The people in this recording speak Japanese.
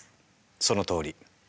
そのとおり。